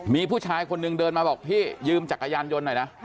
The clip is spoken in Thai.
มีผู้ชายคนนึงเดินมาบอกพี่ยืมจักรยานยนต์หน่อยนะ